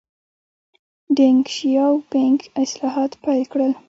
ډینګ شیاؤ پینګ اصلاحات پیل کړل.